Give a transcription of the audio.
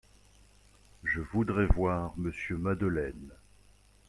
Je voudrais voir monsieur Madeleine.